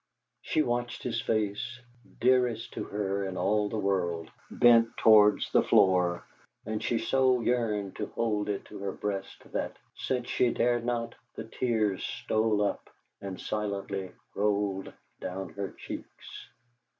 She watched his face, dearest to her in all the world, bent towards the floor, and she so yearned to hold it to her breast that, since she dared not, the tears stole up, and silently rolled down her cheeks.